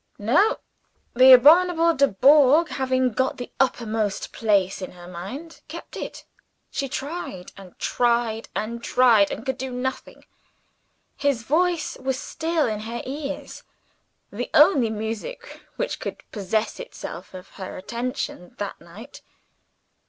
No! The abominable Dubourg, having got the uppermost place in her mind, kept it. She tried, and tried, and tried and could do nothing. His voice was still in her ears the only music which could possess itself of her attention that night.